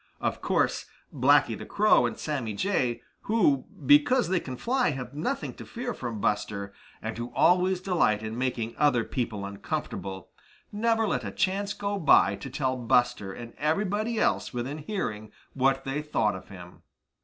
Of course Blacky the Crow and Sammy Jay, who, because they can fly, have nothing to fear from Buster, and who always delight in making other people uncomfortable, never let a chance go by to tell Buster and everybody else within hearing what they thought of him.